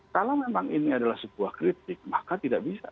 kalau memang ini adalah sebuah kritik maka tidak bisa